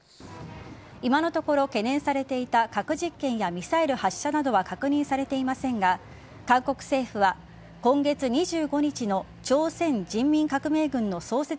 今のところ懸念されていた核実験やミサイル発射などは確認されていませんが韓国政府は今月２５日の朝鮮人民革命軍の創設